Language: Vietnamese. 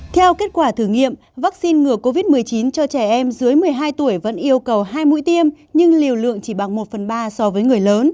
theo kết quả thử nghiệm vaccine ngừa covid một mươi chín cho trẻ em dưới một mươi hai tuổi vẫn yêu cầu hai mũi tiêm nhưng liều lượng chỉ bằng một phần ba so với người lớn